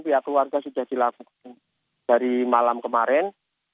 pihak keluarga sudah dilakukan dari malam kemarin